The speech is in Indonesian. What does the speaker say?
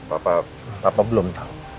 papa belum tau